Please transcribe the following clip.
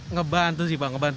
ngebantu sih pak ngebantu